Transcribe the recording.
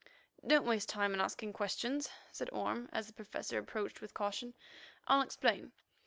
"Don't waste time in asking questions," said Orme as the Professor approached with caution. "I'll explain.